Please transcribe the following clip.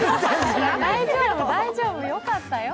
大丈夫、大丈夫、よかったよ。